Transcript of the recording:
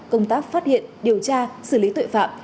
công tác phát hiện điều tra xử lý tội phạm